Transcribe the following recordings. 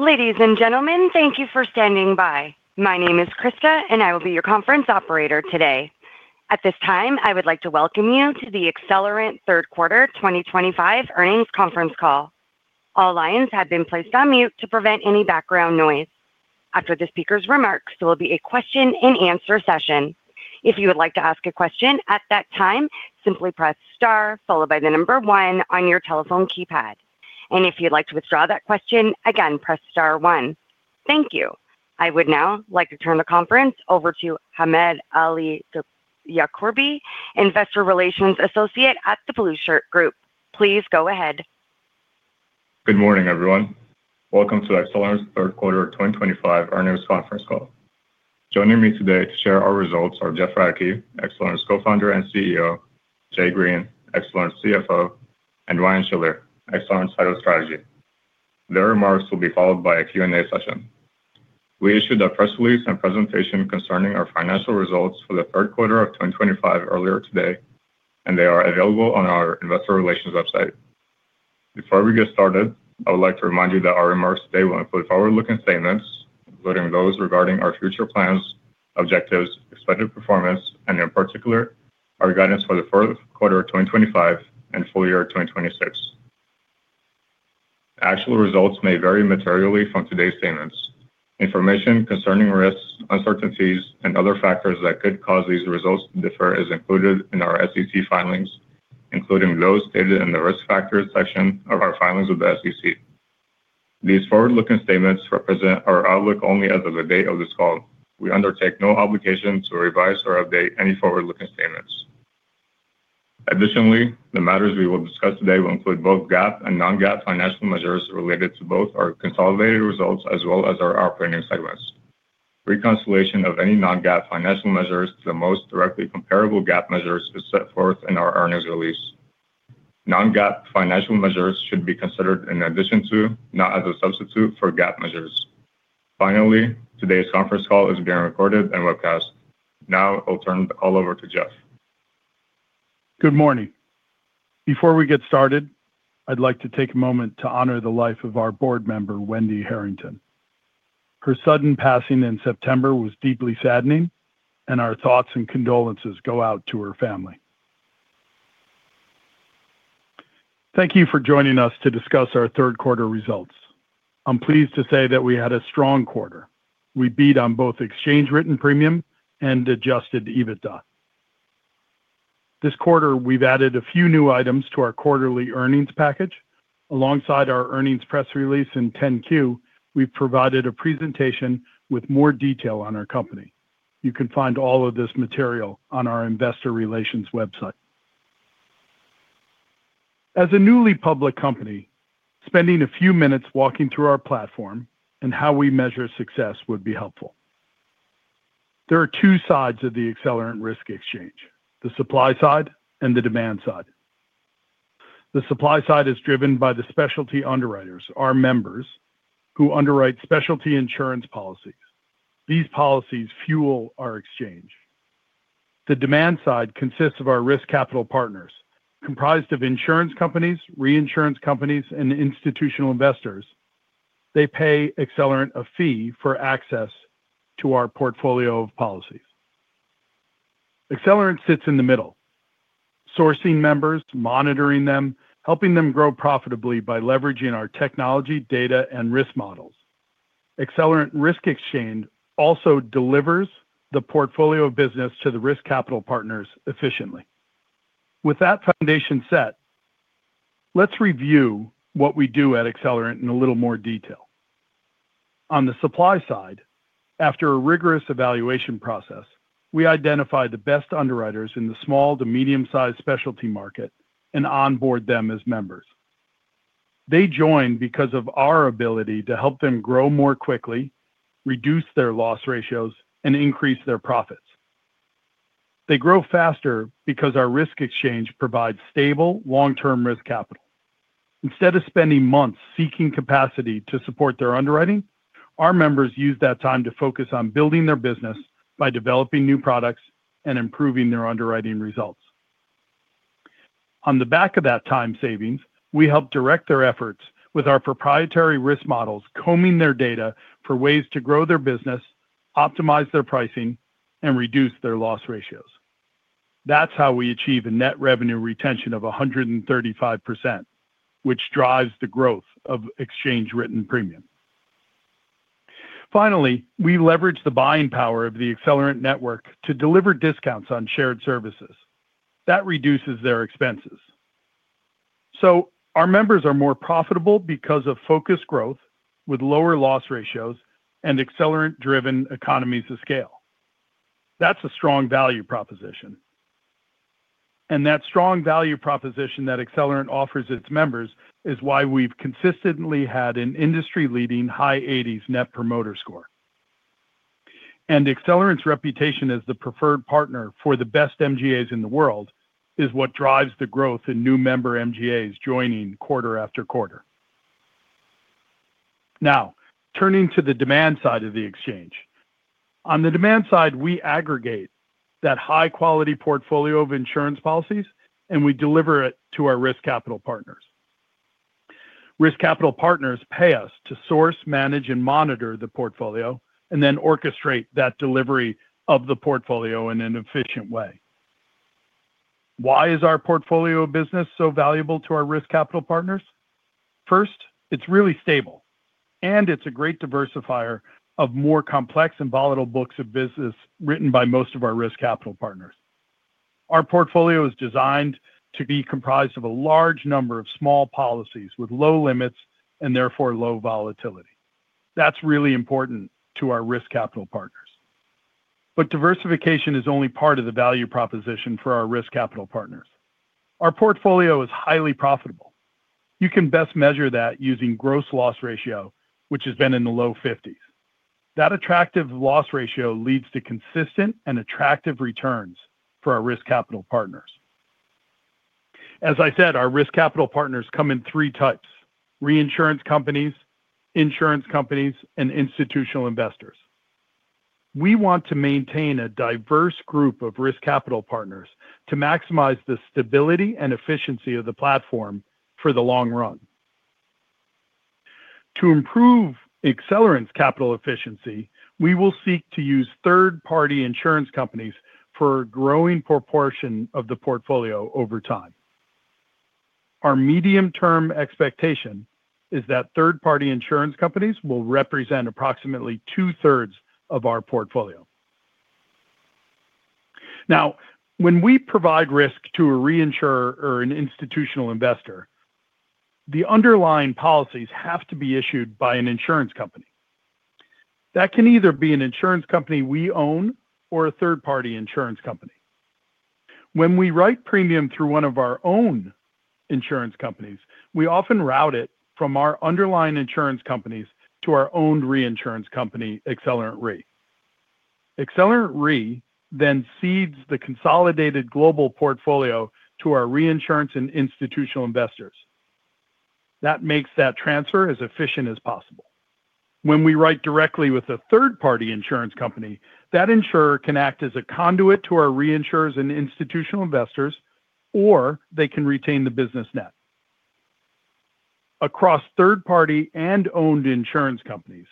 Ladies and gentlemen, thank you for standing by. My name is Krista, and I will be your conference operator today. At this time, I would like to welcome you to the Accelerant third quarter 2025 earnings conference call. All lines have been placed on mute to prevent any background noise. After the speaker's remarks, there will be a question-and-answer session. If you would like to ask a question at that time, simply press star followed by the number one on your telephone keypad. If you'd like to withdraw that question, again, press star one. Thank you. I would now like to turn the conference over to Hamed Ali Yaqorbi, Investor Relations Associate at the Blueshirt Group. Please go ahead. Good morning, everyone. Welcome to Accelerant's third quarter 2025 earnings conference call. Joining me today to share our results are Jeff Radke, Accelerant's Co-founder and CEO; Jay Green, Accelerant's CFO; and Ryan Schiller, Accelerant's Head of Strategy. Their remarks will be followed by a Q&A session. We issued a press release and presentation concerning our financial results for the third quarter of 2025 earlier today, and they are available on our Investor Relations website. Before we get started, I would like to remind you that our remarks today will include forward-looking statements, including those regarding our future plans, objectives, expected performance, and in particular, our guidance for the fourth quarter of 2025 and full year 2026. Actual results may vary materially from today's statements. Information concerning risks, uncertainties, and other factors that could cause these results to differ is included in our SEC filings, including those stated in the risk factors section of our filings with the SEC. These forward-looking statements represent our outlook only as of the date of this call. We undertake no obligation to revise or update any forward-looking statements. Additionally, the matters we will discuss today will include both GAAP and non-GAAP financial measures related to both our consolidated results as well as our operating segments. Reconciliation of any non-GAAP financial measures to the most directly comparable GAAP measures is set forth in our earnings release. Non-GAAP financial measures should be considered in addition to, not as a substitute for, GAAP measures. Finally, today's conference call is being recorded and webcast. Now, I'll turn it all over to Jeff. Good morning. Before we get started, I'd like to take a moment to honor the life of our board member, Wendy Harrington. Her sudden passing in September was deeply saddening, and our thoughts and condolences go out to her family. Thank you for joining us to discuss our third quarter results. I'm pleased to say that we had a strong quarter. We beat on both exchange-rated premium and adjusted EBITDA. This quarter, we've added a few new items to our quarterly earnings package. Alongside our earnings press release and 10-Q, we've provided a presentation with more detail on our company. You can find all of this material on our investor relations website. As a newly public company, spending a few minutes walking through our platform and how we measure success would be helpful. There are two sides of the Accelerant Risk Exchange, the supply side and the demand side. The supply side is driven by the specialty underwriters, our members, who underwrite specialty insurance policies. These policies fuel our exchange. The demand side consists of our risk capital partners, comprised of insurance companies, reinsurance companies, and institutional investors. They pay Accelerant a fee for access to our portfolio of policies. Accelerant sits in the middle, sourcing members, monitoring them, helping them grow profitably by leveraging our technology, data, and risk models. Accelerant Risk Exchange also delivers the portfolio of business to the risk capital partners efficiently. With that foundation set, let's review what we do at Accelerant in a little more detail. On the supply side, after a rigorous evaluation process, we identify the best underwriters in the small to medium-sized specialty market and onboard them as members. They join because of our ability to help them grow more quickly, reduce their loss ratios, and increase their profits. They grow faster because our risk exchange provides stable, long-term risk capital. Instead of spending months seeking capacity to support their underwriting, our members use that time to focus on building their business by developing new products and improving their underwriting results. On the back of that time savings, we help direct their efforts with our proprietary risk models, combing their data for ways to grow their business, optimize their pricing, and reduce their loss ratios. That is how we achieve a net revenue retention of 135%, which drives the growth of exchange-rated premium. Finally, we leverage the buying power of the Accelerant network to deliver discounts on shared services. That reduces their expenses. Our members are more profitable because of focused growth with lower loss ratios and Accelerant-driven economies of scale. That is a strong value proposition. That strong value proposition that Accelerant offers its members is why we've consistently had an industry-leading high 80s net promoter score. Accelerant's reputation as the preferred partner for the best MGAs in the world is what drives the growth in new member MGAs joining quarter after quarter. Now, turning to the demand side of the exchange. On the demand side, we aggregate that high-quality portfolio of insurance policies, and we deliver it to our risk capital partners. Risk capital partners pay us to source, manage, and monitor the portfolio, and then orchestrate that delivery of the portfolio in an efficient way. Why is our portfolio of business so valuable to our risk capital partners? First, it's really stable, and it's a great diversifier of more complex and volatile books of business written by most of our risk capital partners. Our portfolio is designed to be comprised of a large number of small policies with low limits and therefore low volatility. That's really important to our risk capital partners. However, diversification is only part of the value proposition for our risk capital partners. Our portfolio is highly profitable. You can best measure that using gross loss ratio, which has been in the low 50%. That attractive loss ratio leads to consistent and attractive returns for our risk capital partners. As I said, our risk capital partners come in three types, reinsurance companies, insurance companies, and institutional investors. We want to maintain a diverse group of risk capital partners to maximize the stability and efficiency of the platform for the long run. To improve Accelerant's capital efficiency, we will seek to use third-party insurance companies for a growing proportion of the portfolio over time. Our medium-term expectation is that third-party insurance companies will represent approximately two-thirds of our portfolio. Now, when we provide risk to a reinsurer or an institutional investor, the underlying policies have to be issued by an insurance company. That can either be an insurance company we own or a third-party insurance company. When we write premium through one of our own insurance companies, we often route it from our underlying insurance companies to our owned reinsurance company, Accelerant Re. Accelerant Re then cedes the consolidated global portfolio to our reinsurance and institutional investors. That makes that transfer as efficient as possible. When we write directly with a third-party insurance company, that insurer can act as a conduit to our reinsurers and institutional investors, or they can retain the business net. Across third-party and owned insurance companies,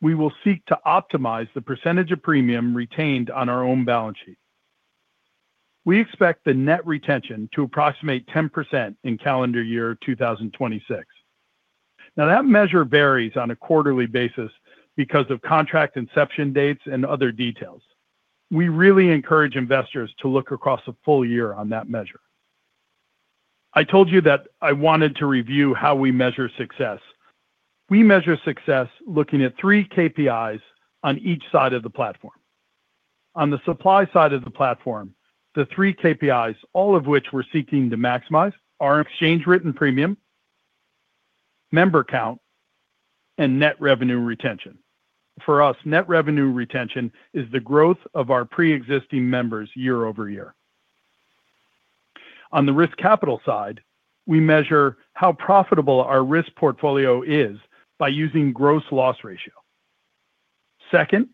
we will seek to optimize the percentage of premium retained on our own balance sheet. We expect the net retention to approximate 10% in calendar year 2026. Now, that measure varies on a quarterly basis because of contract inception dates and other details. We really encourage investors to look across a full year on that measure. I told you that I wanted to review how we measure success. We measure success looking at three KPIs on each side of the platform. On the supply side of the platform, the three KPIs, all of which we're seeking to maximize, are exchange-rated premium, member count, and net revenue retention. For us, net revenue retention is the growth of our pre-existing members year-over-year. On the risk capital side, we measure how profitable our risk portfolio is by using gross loss ratio. Second,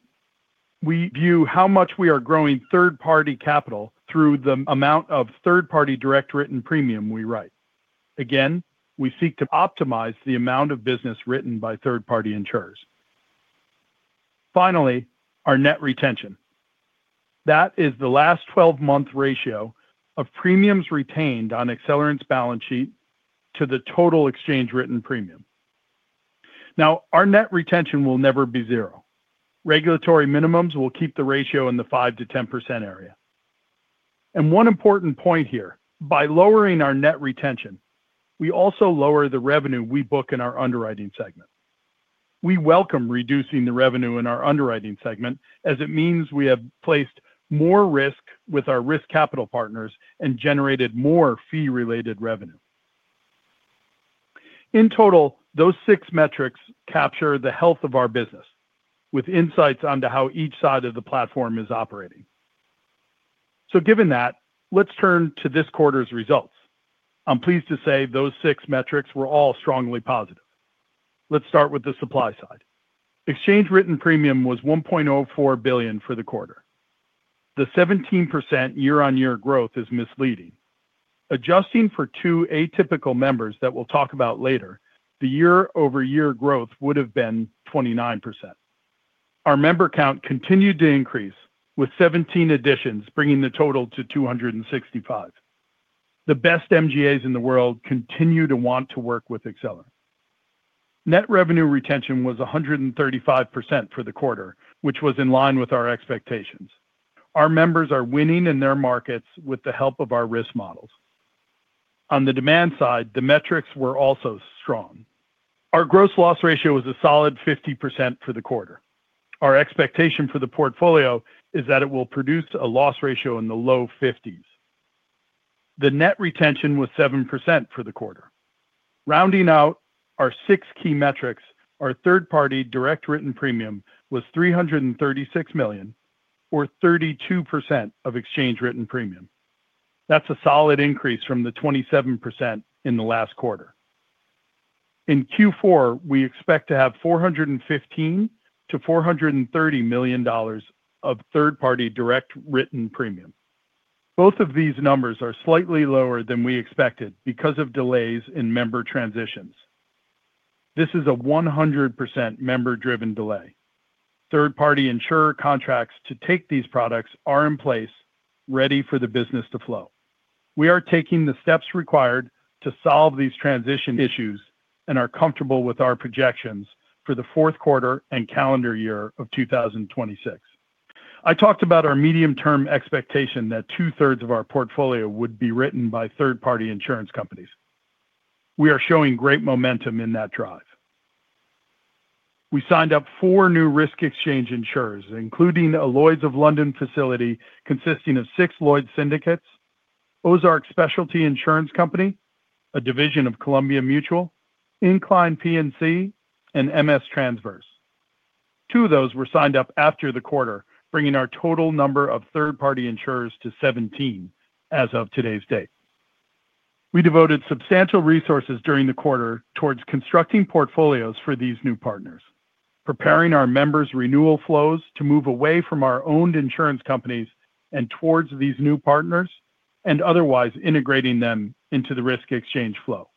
we view how much we are growing third-party capital through the amount of third-party direct written premium we write. Again, we seek to optimize the amount of business written by third-party insurers. Finally, our net retention. That is the last 12-month ratio of premiums retained on Accelerant's balance sheet to the total exchange-rated premium. Now, our net retention will never be zero. Regulatory minimums will keep the ratio in the 5%-10% area. One important point here: by lowering our net retention, we also lower the revenue we book in our underwriting segment. We welcome reducing the revenue in our underwriting segment, as it means we have placed more risk with our risk capital partners and generated more fee-related revenue. In total, those six metrics capture the health of our business, with insights onto how each side of the platform is operating. Given that, let's turn to this quarter's results. I'm pleased to say those six metrics were all strongly positive. Let's start with the supply side. Exchange-rated premium was $1.04 billion for the quarter. The 17% year-on-year growth is misleading. Adjusting for two atypical members that we'll talk about later, the year-over-year growth would have been 29%. Our member count continued to increase, with 17 additions bringing the total to 265. The best MGAs in the world continue to want to work with Accelerant. Net revenue retention was 135% for the quarter, which was in line with our expectations. Our members are winning in their markets with the help of our risk models. On the demand side, the metrics were also strong. Our gross loss ratio was a solid 50% for the quarter. Our expectation for the portfolio is that it will produce a loss ratio in the low 50s. The net retention was 7% for the quarter. Rounding out our six key metrics, our third-party direct written premium was $336 million, or 32% of exchange-rated premium. That's a solid increase from the 27% in the last quarter. In Q4, we expect to have $415 million-$430 million of third-party direct written premium. Both of these numbers are slightly lower than we expected because of delays in member transitions. This is a 100% member-driven delay. Third-party insurer contracts to take these products are in place, ready for the business to flow. We are taking the steps required to solve these transition issues and are comfortable with our projections for the fourth quarter and calendar year of 2026. I talked about our medium-term expectation that two-thirds of our portfolio would be written by third-party insurance companies. We are showing great momentum in that drive. We signed up four new risk exchange insurers, including a Lloyd's of London facility consisting of six Lloyd's syndicates, Ozark Specialty Insurance Company, a division of Columbia Mutual, Incline P&C, and MS Transverse. Two of those were signed up after the quarter, bringing our total number of third-party insurers to 17 as of today's date. We devoted substantial resources during the quarter towards constructing portfolios for these new partners, preparing our members' renewal flows to move away from our owned insurance companies and towards these new partners, and otherwise integrating them into the risk exchange flow.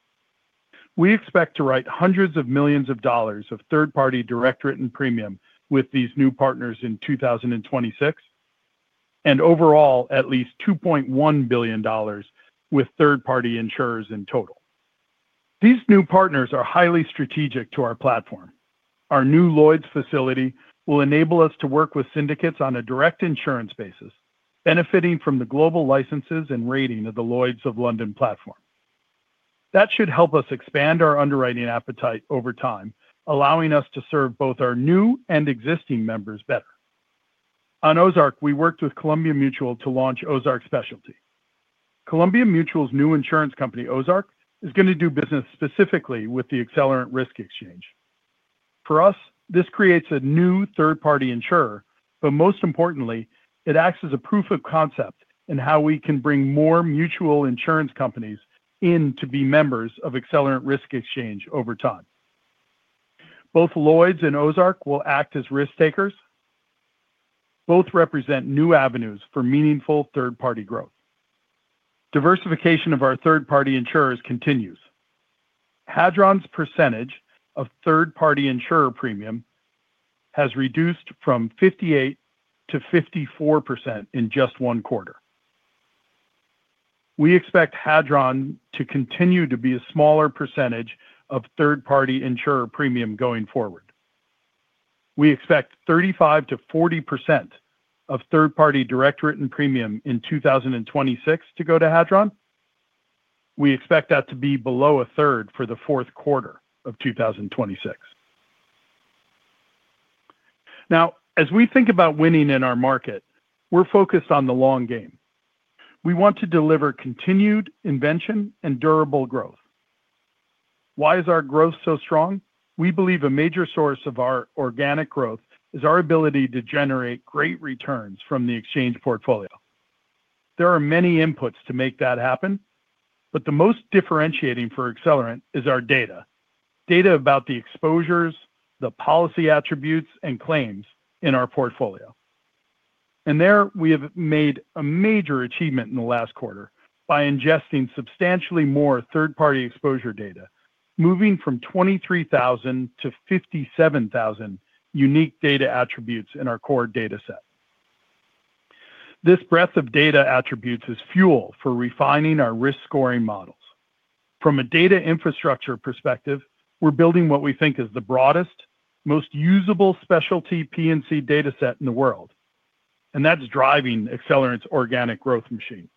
We expect to write hundreds of millions of dollars of third-party direct written premium with these new partners in 2026, and overall at least $2.1 billion with third-party insurers in total. These new partners are highly strategic to our platform. Our new Lloyd's facility will enable us to work with syndicates on a direct insurance basis, benefiting from the global licenses and rating of the Lloyd's of London platform. That should help us expand our underwriting appetite over time, allowing us to serve both our new and existing members better. On Ozark, we worked with Columbia Mutual to launch Ozark Specialty. Columbia Mutual's new insurance company, Ozark, is going to do business specifically with the Accelerant Risk Exchange. For us, this creates a new third-party insurer, but most importantly, it acts as a proof of concept in how we can bring more mutual insurance companies in to be members of Accelerant Risk Exchange over time. Both Lloyd's and Ozark will act as risk takers. Both represent new avenues for meaningful third-party growth. Diversification of our third-party insurers continues. Hadron's percentage of third-party insurer premium has reduced from 58%-54% in just one quarter. We expect Hadron to continue to be a smaller percentage of third-party insurer premium going forward. We expect 35%-40% of third-party direct written premium in 2026 to go to Hadron. We expect that to be below a third for the fourth quarter of 2026. Now, as we think about winning in our market, we're focused on the long game. We want to deliver continued invention and durable growth. Why is our growth so strong? We believe a major source of our organic growth is our ability to generate great returns from the exchange portfolio. There are many inputs to make that happen, but the most differentiating for Accelerant is our data, data about the exposures, the policy attributes, and claims in our portfolio. We have made a major achievement in the last quarter by ingesting substantially more third-party exposure data, moving from 23,000-57,000 unique data attributes in our core data set. This breadth of data attributes is fuel for refining our risk scoring models. From a data infrastructure perspective, we're building what we think is the broadest, most usable specialty P&C data set in the world, and that's driving Accelerant's organic growth machine.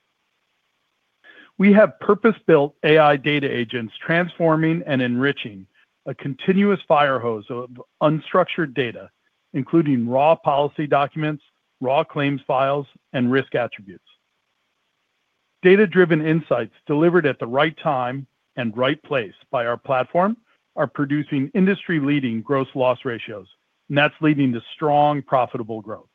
We have purpose-built AI data agents transforming and enriching a continuous firehose of unstructured data, including raw policy documents, raw claims files, and risk attributes. Data-driven insights delivered at the right time and right place by our platform are producing industry-leading gross loss ratios, and that's leading to strong, profitable growth.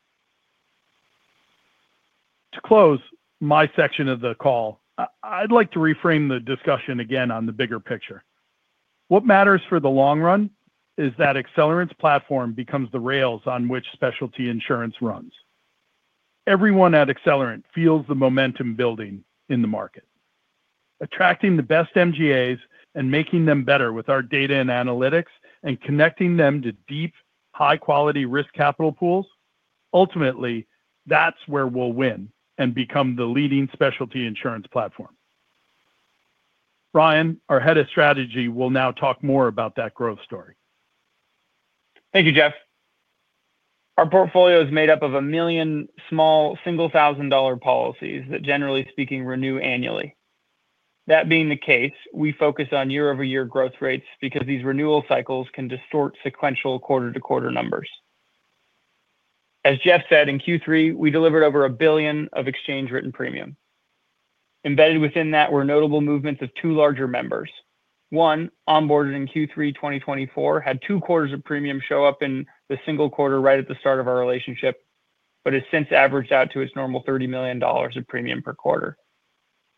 To close my section of the call, I'd like to reframe the discussion again on the bigger picture. What matters for the long run is that Accelerant's platform becomes the rails on which specialty insurance runs. Everyone at Accelerant feels the momentum building in the market. Attracting the best MGAs and making them better with our data and analytics, and connecting them to deep, high-quality risk capital pools, ultimately, that's where we'll win and become the leading specialty insurance platform. Ryan, our Head of Strategy, will now talk more about that growth story. Thank you, Jeff. Our portfolio is made up of a million small single-thousand-dollar policies that, generally speaking, renew annually. That being the case, we focus on year-over-year growth rates because these renewal cycles can distort sequential quarter-to-quarter numbers. As Jeff said, in Q3, we delivered over $1 billion of exchange-rated premium. Embedded within that were notable movements of two larger members. One, onboarded in Q3 2024, had two quarters of premium show up in the single quarter right at the start of our relationship, but has since averaged out to its normal $30 million of premium per quarter.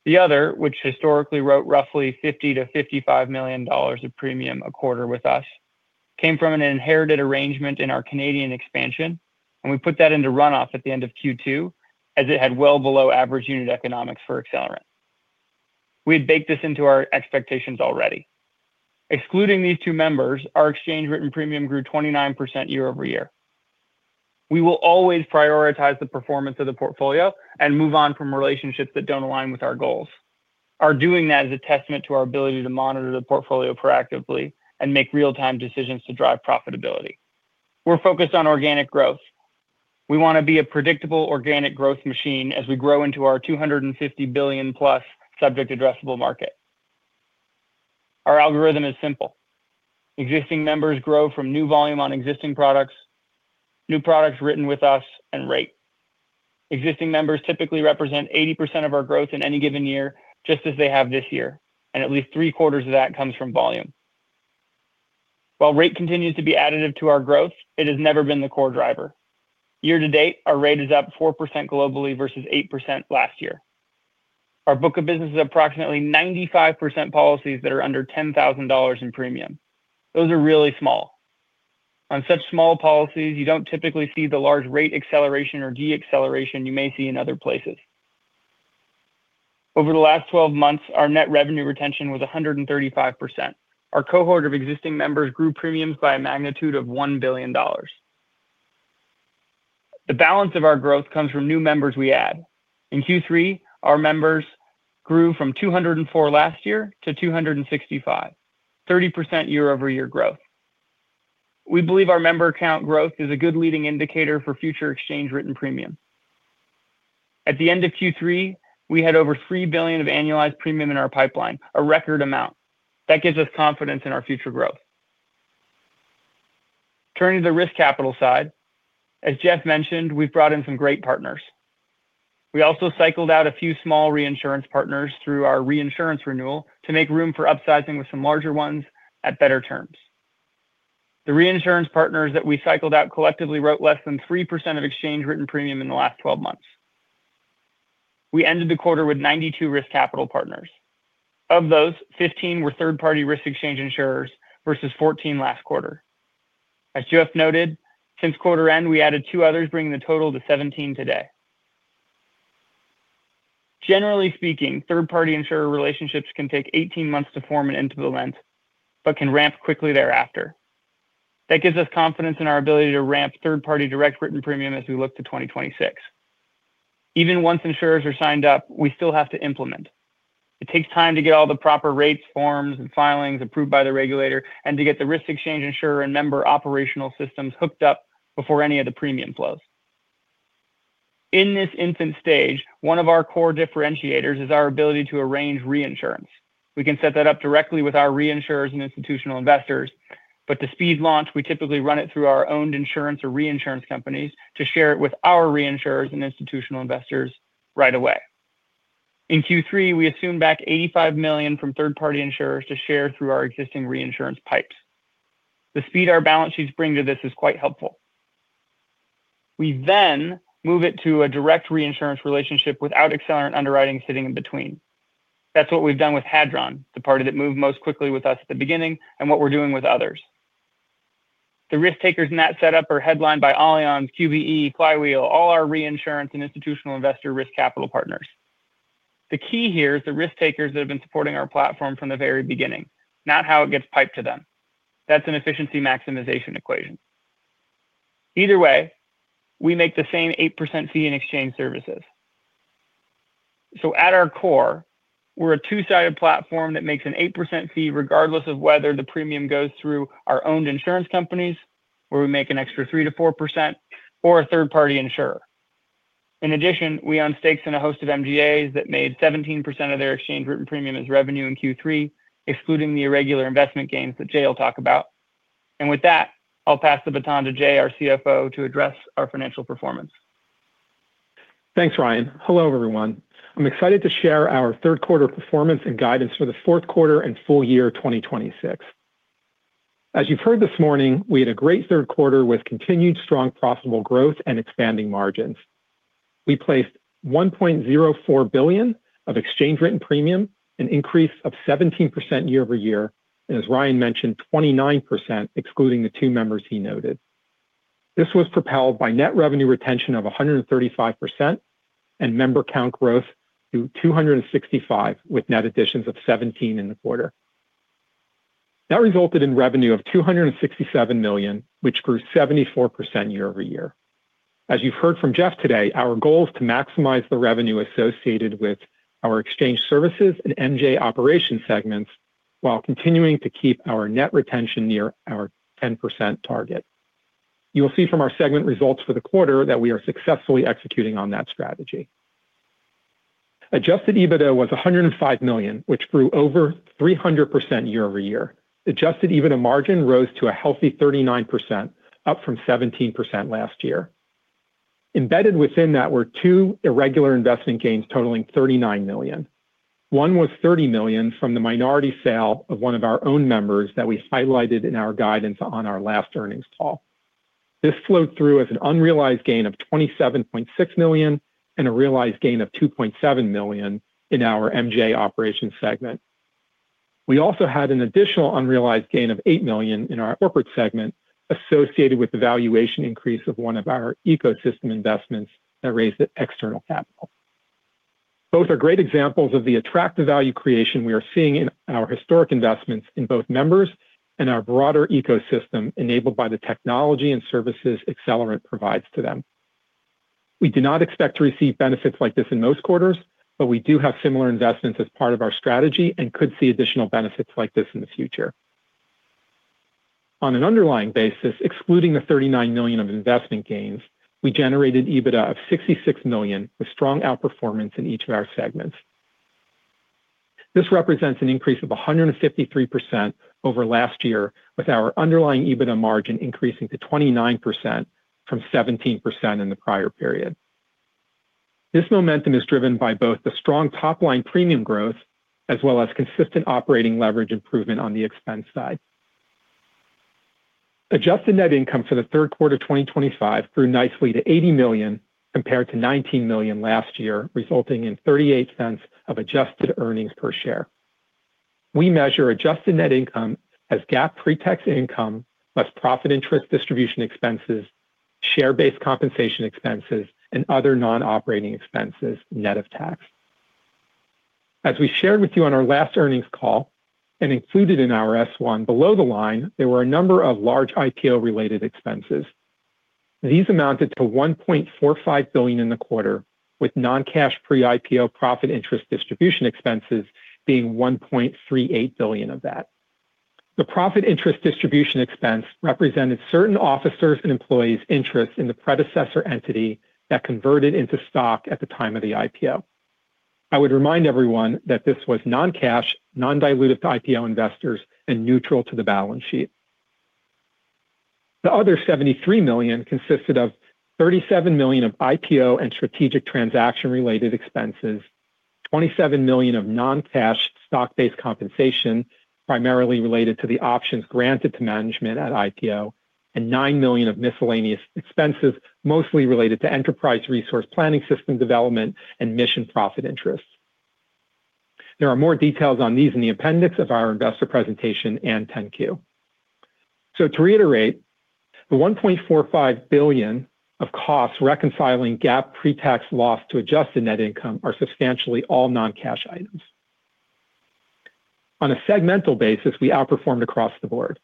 The other, which historically wrote roughly $50 million-$55 million of premium a quarter with us, came from an inherited arrangement in our Canadian expansion, and we put that into runoff at the end of Q2 as it had well below average unit economics for Accelerant. We had baked this into our expectations already. Excluding these two members, our exchange-rated premium grew 29% year-over-year. We will always prioritize the performance of the portfolio and move on from relationships that do not align with our goals. Our doing that is a testament to our ability to monitor the portfolio proactively and make real-time decisions to drive profitability. We are focused on organic growth. We want to be a predictable organic growth machine as we grow into our $250+ billion subject-addressable market. Our algorithm is simple. Existing members grow from new volume on existing products, new products written with us, and rate. Existing members typically represent 80% of our growth in any given year, just as they have this year, and at least three quarters of that comes from volume. While rate continues to be additive to our growth, it has never been the core driver. Year to date, our rate is up 4% globally versus 8% last year. Our book of business is approximately 95% policies that are under $10,000 in premium. Those are really small. On such small policies, you do not typically see the large rate acceleration or de-acceleration you may see in other places. Over the last 12 months, our net revenue retention was 135%. Our cohort of existing members grew premiums by a magnitude of $1 billion. The balance of our growth comes from new members we add. In Q3, our members grew from 204 last year to 265, 30% year-over-year growth. We believe our member account growth is a good leading indicator for future exchange-rated premium. At the end of Q3, we had over $3 billion of annualized premium in our pipeline, a record amount. That gives us confidence in our future growth. Turning to the risk capital side, as Jeff mentioned, we've brought in some great partners. We also cycled out a few small reinsurance partners through our reinsurance renewal to make room for upsizing with some larger ones at better terms. The reinsurance partners that we cycled out collectively wrote less than 3% of exchange-rated premium in the last 12 months. We ended the quarter with 92 risk capital partners. Of those, 15 were third-party risk exchange insurers versus 14 last quarter. As Jeff noted, since quarter end, we added two others, bringing the total to 17 today. Generally speaking, third-party insurer relationships can take 18 months to form and into the lens, but can ramp quickly thereafter. That gives us confidence in our ability to ramp third-party direct written premium as we look to 2026. Even once insurers are signed up, we still have to implement. It takes time to get all the proper rates, forms, and filings approved by the regulator, and to get the risk exchange insurer and member operational systems hooked up before any of the premium flows. In this infant stage, one of our core differentiators is our ability to arrange reinsurance. We can set that up directly with our reinsurers and institutional investors, but to speed launch, we typically run it through our owned insurance or reinsurance companies to share it with our reinsurers and institutional investors right away. In Q3, we assumed back $85 million from third-party insurers to share through our existing reinsurance pipes. The speed our balance sheets bring to this is quite helpful. We then move it to a direct reinsurance relationship without Accelerant underwriting sitting in between. That is what we have done with Hadron, the party that moved most quickly with us at the beginning and what we are doing with others. The risk takers in that setup are headlined by Allianz, QBE, Flywheel, all our reinsurance and institutional investor risk capital partners. The key here is the risk takers that have been supporting our platform from the very beginning, not how it gets piped to them. That's an efficiency maximization equation. Either way, we make the same 8% fee in exchange services. At our core, we're a two-sided platform that makes an 8% fee regardless of whether the premium goes through our owned insurance companies, where we make an extra 3%-4%, or a third-party insurer. In addition, we own stakes in a host of MGAs that made 17% of their exchange-rated premium as revenue in Q3, excluding the irregular investment gains that Jay will talk about. With that, I'll pass the baton to Jay, our CFO, to address our financial performance. Thanks, Ryan. Hello, everyone. I'm excited to share our third-quarter performance and guidance for the fourth quarter and full year 2026. As you've heard this morning, we had a great third quarter with continued strong profitable growth and expanding margins. We placed $1.04 billion of exchange-rated premium, an increase of 17% year-over-year, and as Ryan mentioned, 29% excluding the two members he noted. This was propelled by net revenue retention of 135% and member count growth to 265 with net additions of 17 in the quarter. That resulted in revenue of $267 million, which grew 74% year-over-year. As you've heard from Jeff today, our goal is to maximize the revenue associated with our exchange services and MGA operation segments while continuing to keep our net retention near our 10% target. You will see from our segment results for the quarter that we are successfully executing on that strategy. Adjusted EBITDA was $105 million, which grew over 300% year-over-year. Adjusted EBITDA margin rose to a healthy 39%, up from 17% last year. Embedded within that were two irregular investment gains totaling $39 million. One was $30 million from the minority sale of one of our own members that we highlighted in our guidance on our last earnings call. This flowed through as an unrealized gain of $27.6 million and a realized gain of $2.7 million in our MJ operation segment. We also had an additional unrealized gain of $8 million in our corporate segment associated with the valuation increase of one of our ecosystem investments that raised external capital. Both are great examples of the attractive value creation we are seeing in our historic investments in both members and our broader ecosystem enabled by the technology and services Accelerant provides to them. We do not expect to receive benefits like this in most quarters, but we do have similar investments as part of our strategy and could see additional benefits like this in the future. On an underlying basis, excluding the $39 million of investment gains, we generated EBITDA of $66 million with strong outperformance in each of our segments. This represents an increase of 153% over last year, with our underlying EBITDA margin increasing to 29% from 17% in the prior period. This momentum is driven by both the strong top-line premium growth as well as consistent operating leverage improvement on the expense side. Adjusted net income for the third quarter 2025 grew nicely to $80 million compared to $19 million last year, resulting in $0.38 of adjusted earnings per share. We measure adjusted net income as GAAP pre-tax income, less profit interest distribution expenses, share-based compensation expenses, and other non-operating expenses net of tax. As we shared with you on our last earnings call and included in our S-1, below the line, there were a number of large IPO-related expenses. These amounted to $1.45 billion in the quarter, with non-cash pre-IPO profit interest distribution expenses being $1.38 billion of that. The profit interest distribution expense represented certain officers and employees' interests in the predecessor entity that converted into stock at the time of the IPO. I would remind everyone that this was non-cash, non-dilutive to IPO investors, and neutral to the balance sheet. The other $73 million consisted of $37 million of IPO and strategic transaction-related expenses, $27 million of non-cash stock-based compensation, primarily related to the options granted to management at IPO, and $9 million of miscellaneous expenses, mostly related to enterprise resource planning system development and mission profit interests. There are more details on these in the appendix of our investor presentation and 10-Q. To reiterate, the $1.45 billion of costs reconciling GAAP pre-tax loss to adjusted net income are substantially all non-cash items. On a segmental basis, we outperformed across the board.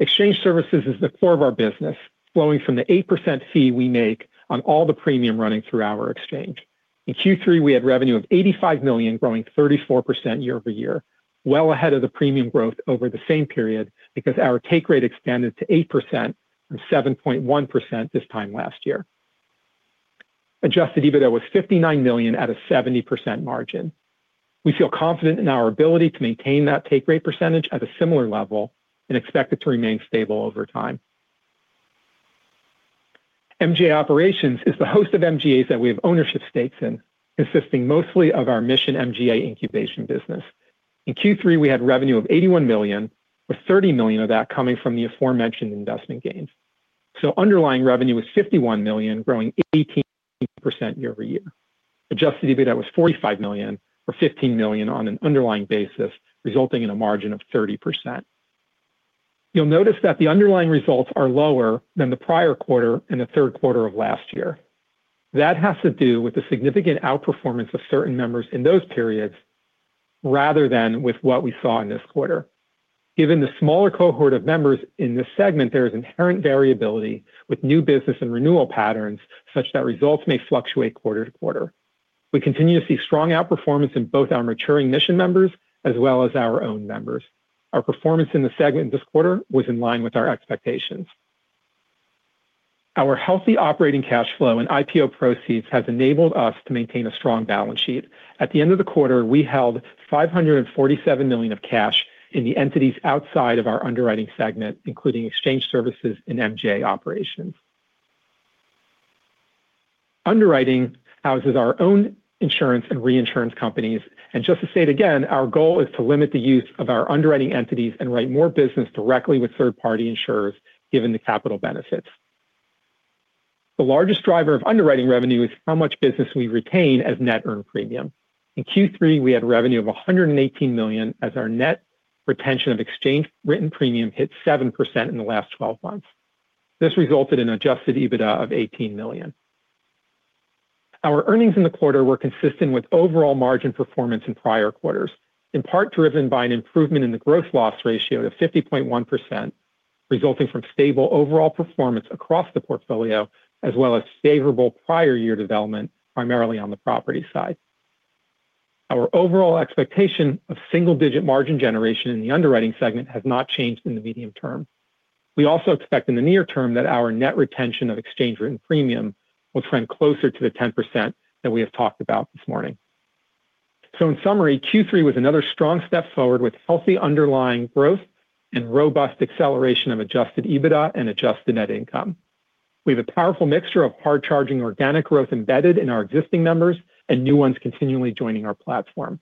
Exchange services is the core of our business, flowing from the 8% fee we make on all the premium running through our exchange. In Q3, we had revenue of $85 million, growing 34% year-over-year, well ahead of the premium growth over the same period because our take rate expanded to 8% from 7.1% this time last year. Adjusted EBITDA was $59 million at a 70% margin. We feel confident in our ability to maintain that take rate percentage at a similar level and expect it to remain stable over time. MJ Operations is the host of MGAs that we have ownership stakes in, consisting mostly of our mission MGA incubation business. In Q3, we had revenue of $81 million, with $30 million of that coming from the aforementioned investment gains. So underlying revenue was $51 million, growing 18% year-over-year. Adjusted EBITDA was $45 million, or $15 million on an underlying basis, resulting in a margin of 30%. You'll notice that the underlying results are lower than the prior quarter and the third quarter of last year. That has to do with the significant outperformance of certain members in those periods rather than with what we saw in this quarter. Given the smaller cohort of members in this segment, there is inherent variability with new business and renewal patterns such that results may fluctuate quarter to quarter. We continue to see strong outperformance in both our maturing mission members as well as our own members. Our performance in the segment this quarter was in line with our expectations. Our healthy operating cash flow and IPO proceeds have enabled us to maintain a strong balance sheet. At the end of the quarter, we held $547 million of cash in the entities outside of our underwriting segment, including exchange services and MGA operations. Underwriting houses our own insurance and reinsurance companies. Just to say it again, our goal is to limit the use of our underwriting entities and write more business directly with third-party insurers given the capital benefits. The largest driver of underwriting revenue is how much business we retain as net earned premium. In Q3, we had revenue of $118 million as our net retention of exchange-rated premium hit 7% in the last 12 months. This resulted in adjusted EBITDA of $18 million. Our earnings in the quarter were consistent with overall margin performance in prior quarters, in part driven by an improvement in the gross loss ratio to 50.1%, resulting from stable overall performance across the portfolio, as well as favorable prior year development, primarily on the property side. Our overall expectation of single-digit margin generation in the underwriting segment has not changed in the medium term. We also expect in the near term that our net retention of exchange-rated premium will trend closer to the 10% that we have talked about this morning. In summary, Q3 was another strong step forward with healthy underlying growth and robust acceleration of adjusted EBITDA and adjusted net income. We have a powerful mixture of hard-charging organic growth embedded in our existing members and new ones continually joining our platform.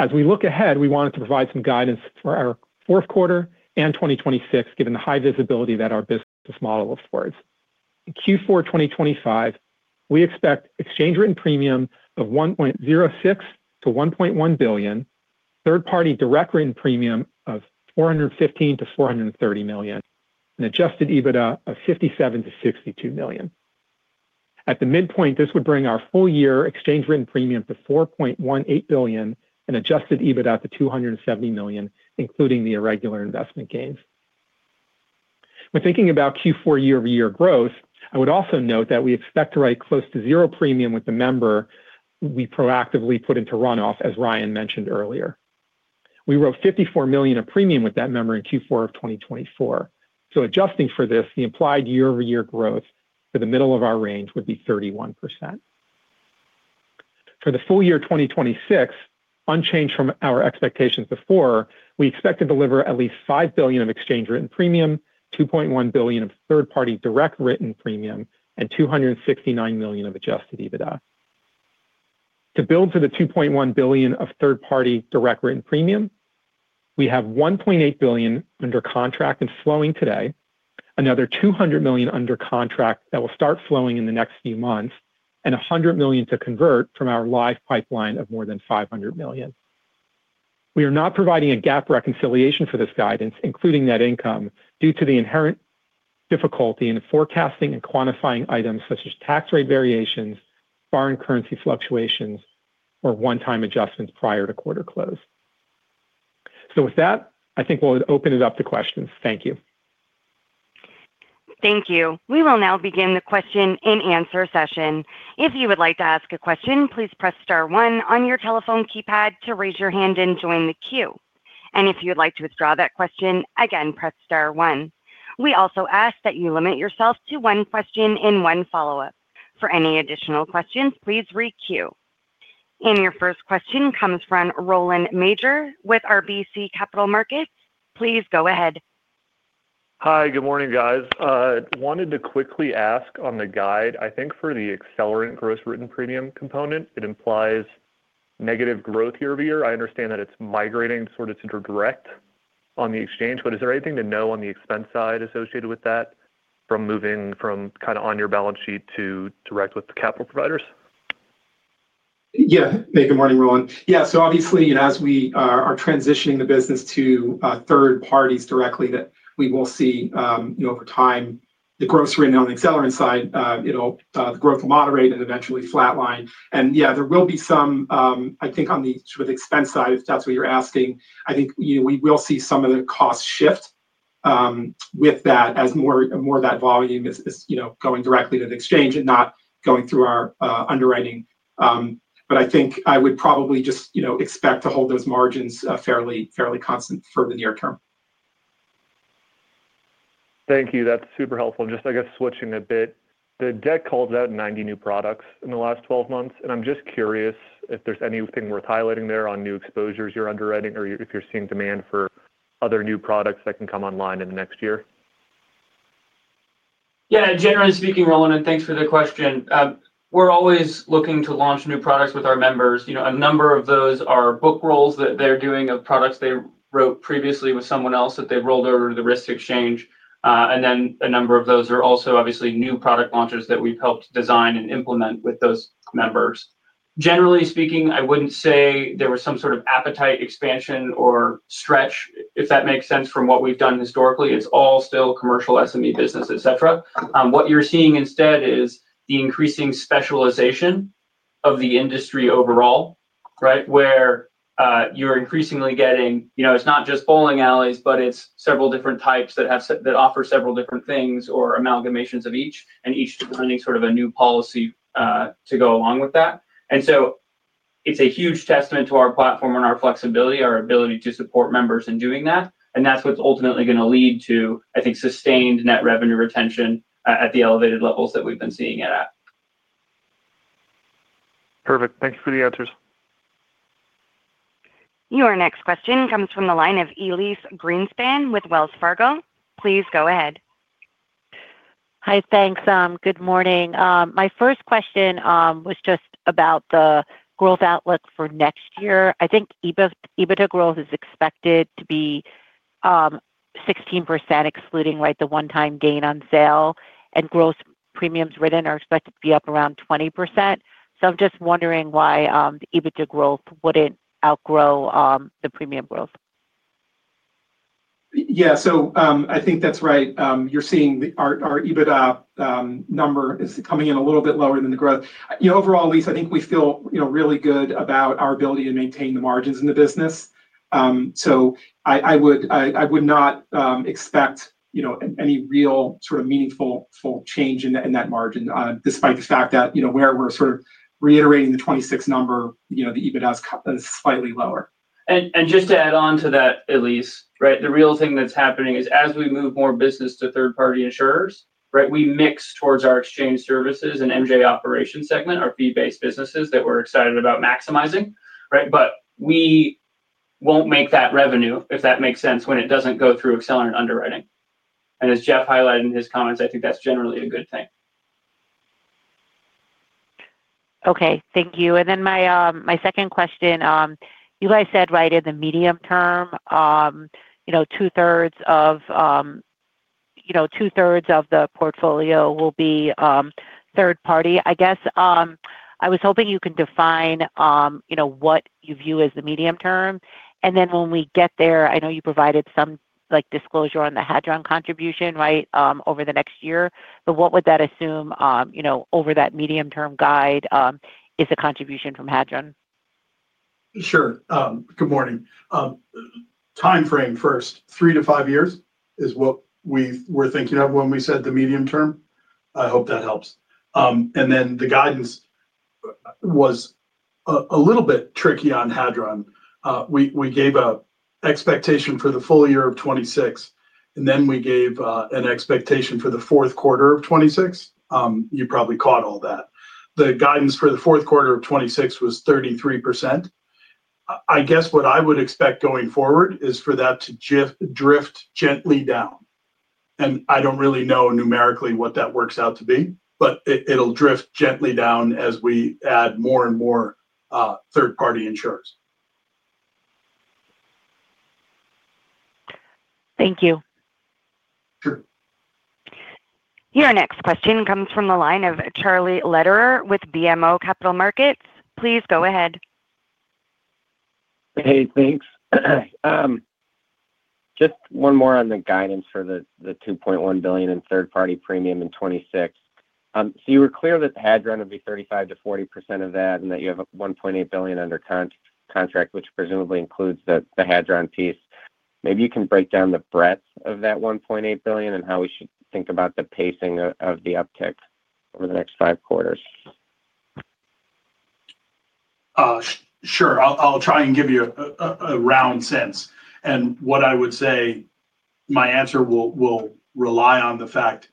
As we look ahead, we wanted to provide some guidance for our fourth quarter and 2026, given the high visibility that our business model affords. In Q4 2025, we expect exchange-rated premium of $1.06 billion-$1.1 billion, third-party direct written premium of $415 million-$430 million, and adjusted EBITDA of $57 million-$62 million. At the midpoint, this would bring our full-year exchange-rated premium to $4.18 billion and adjusted EBITDA to $270 million, including the irregular investment gains. When thinking about Q4 year-over-year growth, I would also note that we expect to write close to zero premium with the member we proactively put into runoff, as Ryan mentioned earlier. We wrote $54 million of premium with that member in Q4 of 2024. So adjusting for this, the implied year-over-year growth for the middle of our range would be 31%. For the full year 2026, unchanged from our expectations before, we expect to deliver at least $5 billion of exchange-rated premium, $2.1 billion of third-party direct written premium, and $269 million of adjusted EBITDA. To build to the $2.1 billion of third-party direct written premium, we have $1.8 billion under contract and flowing today, another $200 million under contract that will start flowing in the next few months, and $100 million to convert from our live pipeline of more than $500 million. We are not providing a GAAP reconciliation for this guidance, including net income, due to the inherent difficulty in forecasting and quantifying items such as tax rate variations, foreign currency fluctuations, or one-time adjustments prior to quarter close. With that, I think we'll open it up to questions. Thank you. Thank you. We will now begin the question and answer session. If you would like to ask a question, please press star one on your telephone keypad to raise your hand and join the queue. If you'd like to withdraw that question, again, press star one. We also ask that you limit yourself to one question and one follow-up. For any additional questions, please re-queue. Your first question comes from Rowland Mayor with RBC Capital Markets. Please go ahead. Hi, good morning, guys. I wanted to quickly ask on the guide, I think for the Accelerant gross written premium component, it implies negative growth year-over-year. I understand that it's migrating sort of to direct on the exchange, but is there anything to know on the expense side associated with that from moving from kind of on your balance sheet to direct with the capital providers? Yeah. Hey, good morning, Rowland. Yeah. Obviously, as we are transitioning the business to third parties directly, we will see over time the gross written on the Accelerant side, the growth will moderate and eventually flatline. Yeah, there will be some, I think, on the sort of expense side, if that's what you're asking. I think we will see some of the cost shift with that as more of that volume is going directly to the exchange and not going through our underwriting. I think I would probably just expect to hold those margins fairly constant for the near term. Thank you. That's super helpful. Just, I guess, switching a bit, the deck calls out 90 new products in the last 12 months. I'm just curious if there's anything worth highlighting there on new exposures you're underwriting or if you're seeing demand for other new products that can come online in the next year. Yeah. Generally speaking, Rowland, and thanks for the question. We're always looking to launch new products with our members. A number of those are book rolls that they're doing of products they wrote previously with someone else that they've rolled over to the risk exchange. A number of those are also obviously new product launches that we've helped design and implement with those members. Generally speaking, I wouldn't say there was some sort of appetite expansion or stretch, if that makes sense, from what we've done historically. It's all still commercial SME business, etc. What you're seeing instead is the increasing specialization of the industry overall, right, where you're increasingly getting it's not just bowling alleys, but it's several different types that offer several different things or amalgamations of each, and each is running sort of a new policy to go along with that. It's a huge testament to our platform and our flexibility, our ability to support members in doing that. That's what's ultimately going to lead to, I think, sustained net revenue retention at the elevated levels that we've been seeing it at. Perfect. Thanks for the answers. Your next question comes from the line of Elyse Greenspan with Wells Fargo. Please go ahead. Hi, thanks. Good morning. My first question was just about the growth outlook for next year. I think EBITDA growth is expected to be 16%, excluding the one-time gain on sale, and gross premiums written are expected to be up around 20%. I'm just wondering why the EBITDA growth wouldn't outgrow the premium growth. Yeah. I think that's right. You're seeing our EBITDA number is coming in a little bit lower than the growth. Overall, Elise, I think we feel really good about our ability to maintain the margins in the business. I would not expect any real sort of meaningful change in that margin, despite the fact that where we're sort of reiterating the 26 number, the EBITDA is slightly lower. Just to add on to that, Elyse, right, the real thing that's happening is as we move more business to third-party insurers, right, we mix towards our exchange services and MGA operation segment, our fee-based businesses that we're excited about maximizing, right, but we won't make that revenue, if that makes sense, when it doesn't go through Accelerant underwriting. As Jeff highlighted in his comments, I think that's generally a good thing. Okay. Thank you. My second question, you guys said right in the medium term, two-thirds of the portfolio will be third-party. I guess I was hoping you can define what you view as the medium term. When we get there, I know you provided some disclosure on the Hadron contribution, right, over the next year. What would that assume over that medium-term guide is the contribution from Hadron? Sure. Good morning. Timeframe first. Three to five years is what we were thinking of when we said the medium term. I hope that helps. The guidance was a little bit tricky on Hadron. We gave an expectation for the full year of 2026, and then we gave an expectation for the fourth quarter of 2026. You probably caught all that. The guidance for the fourth quarter of 2026 was 33%. I guess what I would expect going forward is for that to drift gently down. I do not really know numerically what that works out to be, but it will drift gently down as we add more and more third-party insurers. Thank you. Sure. Your next question comes from the line of Charlie Letterer with BMO Capital Markets. Please go ahead. Hey, thanks. Just one more on the guidance for the $2.1 billion in third-party premium in 2026. You were clear that Hadron would be 35%-40% of that and that you have $1.8 billion under contract, which presumably includes the Hadron piece. Maybe you can break down the breadth of that $1.8 billion and how we should think about the pacing of the uptick over the next five quarters. Sure. I'll try and give you a round sense. What I would say, my answer will rely on the fact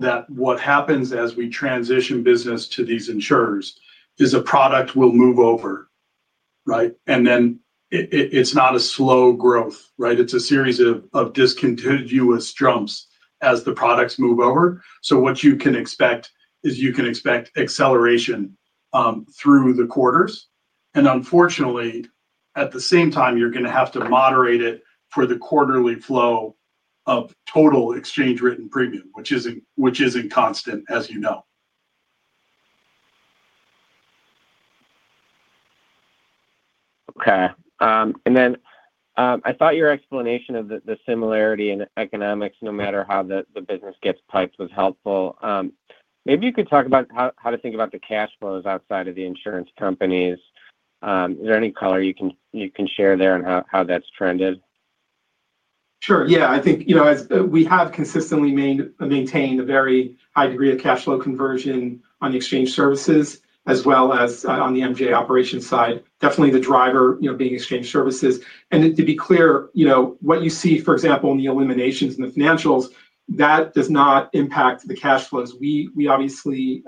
that what happens as we transition business to these insurers is a product will move over, right? Then it's not a slow growth, right? It's a series of discontinuous jumps as the products move over. What you can expect is you can expect acceleration through the quarters. Unfortunately, at the same time, you're going to have to moderate it for the quarterly flow of total exchange-rated premium, which isn't constant, as you know. Okay. I thought your explanation of the similarity in economics, no matter how the business gets piped, was helpful. Maybe you could talk about how to think about the cash flows outside of the insurance companies. Is there any color you can share there on how that's trended? Sure. Yeah. I think we have consistently maintained a very high degree of cash flow conversion on the exchange services, as well as on the MGA operation side. Definitely the driver being exchange services. To be clear, what you see, for example, in the eliminations in the financials, that does not impact the cash flows. We obviously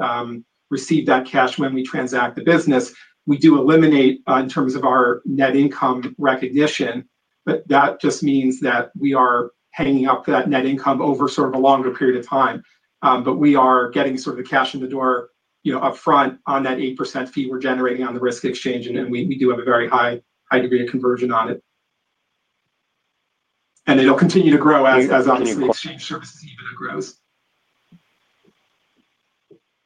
receive that cash when we transact the business. We do eliminate in terms of our net income recognition, but that just means that we are hanging up that net income over sort of a longer period of time. We are getting sort of the cash in the door upfront on that 8% fee we are generating on the risk exchange, and we do have a very high degree of conversion on it. It will continue to grow as obviously exchange services EBITDA grows.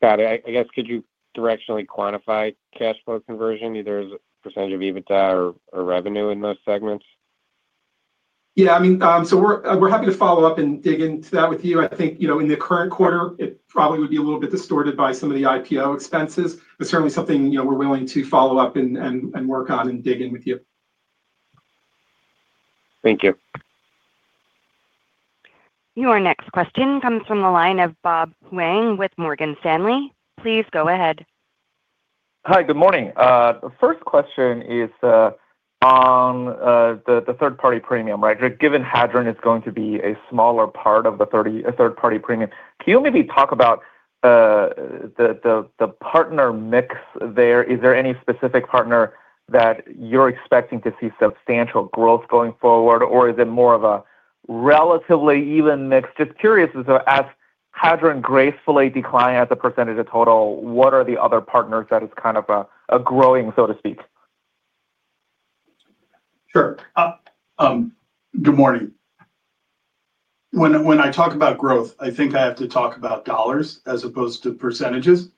Got it. I guess, could you directionally quantify cash flow conversion, either as a percentage of EBITDA or revenue in those segments? Yeah. I mean, we are happy to follow up and dig into that with you. I think in the current quarter, it probably would be a little bit distorted by some of the IPO expenses, but certainly something we are willing to follow up and work on and dig in with you. Thank you. Your next question comes from the line of Bob Wong with Morgan Stanley. Please go ahead. Hi, good morning. The first question is on the third-party premium, right? Given Hadron is going to be a smaller part of the third-party premium, can you maybe talk about the partner mix there? Is there any specific partner that you're expecting to see substantial growth going forward, or is it more of a relatively even mix? Just curious as Hadron gracefully declines as a percentage of total, what are the other partners that is kind of a growing, so to speak? Sure. Good morning. When I talk about growth, I think I have to talk about dollars as opposed to percentages.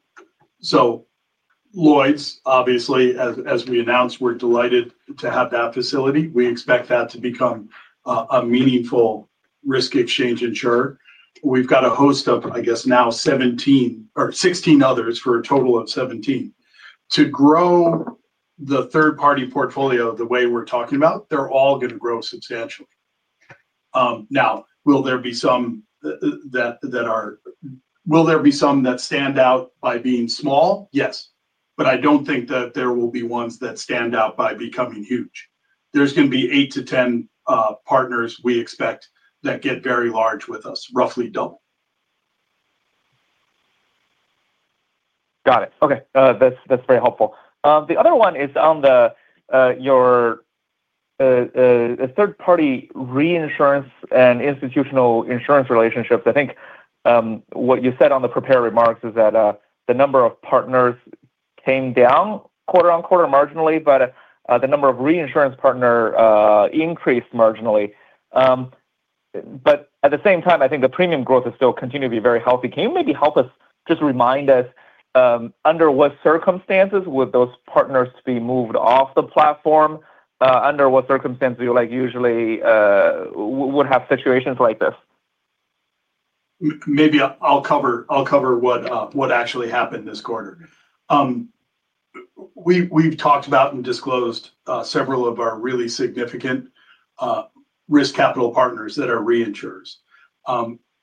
Lloyd's, obviously, as we announced, we're delighted to have that facility. We expect that to become a meaningful risk exchange insurer. We've got a host of, I guess, now 16 others for a total of 17. To grow the third-party portfolio the way we're talking about, they're all going to grow substantially. Now, will there be some that stand out by being small? Yes. I don't think that there will be ones that stand out by becoming huge. There's going to be 8-10 partners we expect that get very large with us, roughly double. Got it. Okay. That's very helpful. The other one is on your third-party reinsurance and institutional insurance relationships. I think what you said on the prepared remarks is that the number of partners came down quarter on quarter marginally, but the number of reinsurance partners increased marginally. At the same time, I think the premium growth is still continuing to be very healthy. Can you maybe help us just remind us under what circumstances would those partners be moved off the platform? Under what circumstances you usually would have situations like this? Maybe I'll cover what actually happened this quarter. We've talked about and disclosed several of our really significant risk capital partners that are reinsurers.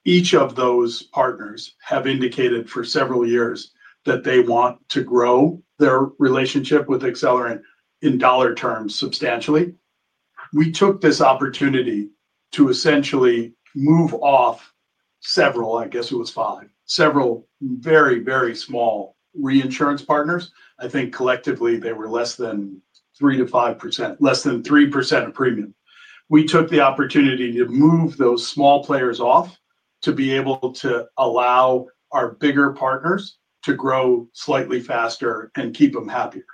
Each of those partners have indicated for several years that they want to grow their relationship with Accelerant in dollar terms substantially. We took this opportunity to essentially move off several, I guess it was five, several very, very small reinsurance partners. I think collectively they were less than 3%-5%, less than 3% of premium. We took the opportunity to move those small players off to be able to allow our bigger partners to grow slightly faster and keep them happier.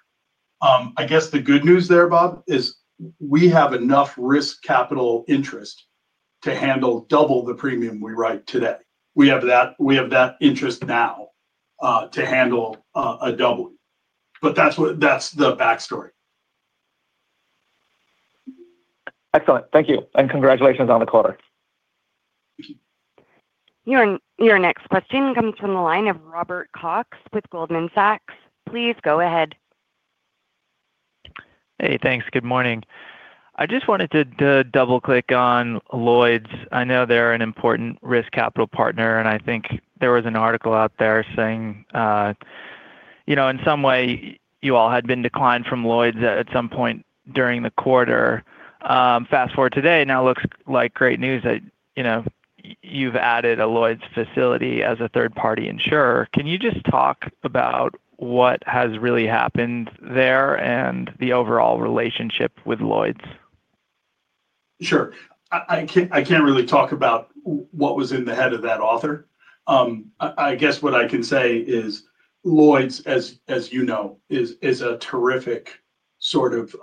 I guess the good news there, Bob, is we have enough risk capital interest to handle double the premium we write today. We have that interest now to handle a double. That's the backstory. Excellent. Thank you. Congratulations on the quarter. Your next question comes from the line of Robert Cox with Goldman Sachs. Please go ahead. Hey, thanks. Good morning. I just wanted to double-click on Lloyd's. I know they're an important risk capital partner, and I think there was an article out there saying in some way you all had been declined from Lloyd's at some point during the quarter. Fast forward to today, now it looks like great news that you've added a Lloyd's facility as a third-party insurer. Can you just talk about what has really happened there and the overall relationship with Lloyd's? Sure. I can't really talk about what was in the head of that author. I guess what I can say is Lloyd's, as you know, is a terrific sort of